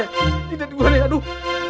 ini tadi gua nih aduh